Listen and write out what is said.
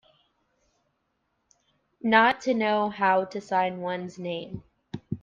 Not to know how to sign one's name.